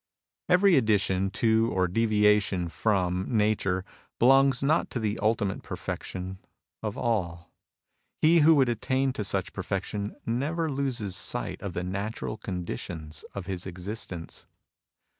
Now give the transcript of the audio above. ..••• Every addition to or deviation from nature belongs not to the ultimate perfection of all. He who would attain to such perfection never loses sight of the natural conditions of his exist ence.